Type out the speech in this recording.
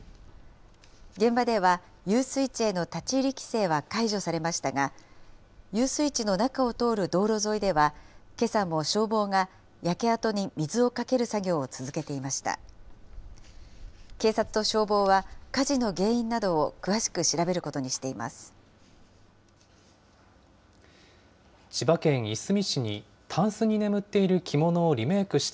現場では、遊水地への立ち入り規制は解除されましたが、遊水地の中を通る道路沿いでは、けさも消防が焼け跡に水をかける作業を続けていました。